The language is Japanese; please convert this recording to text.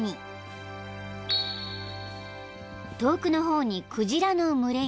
［遠くの方に鯨の群れが］